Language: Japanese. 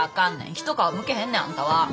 一皮むけへんねんあんたは。